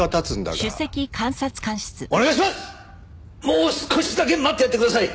もう少しだけ待ってやってください。